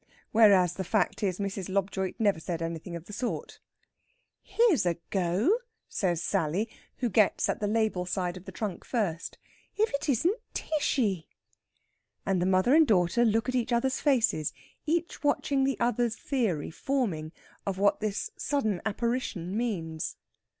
Whereas the fact is Mrs. Lobjoit never said anything of the sort. "Here's a go!" says Sally, who gets at the label side of the trunk first. "If it isn't Tishy!" And the mother and daughter look at each other's faces, each watching the other's theory forming of what this sudden apparition means.